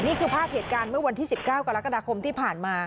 นี่คือภาพเหตุการณ์เมื่อวันที่๑๙กรกฎาคมที่ผ่านมา